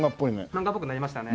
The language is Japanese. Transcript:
漫画っぽくなりましたね。